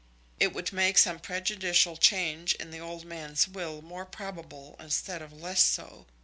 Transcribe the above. It would make some prejudicial change in the old man's will more probable instead of less so.